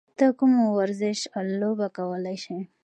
ته کوم ورزش لوبه کولی شې؟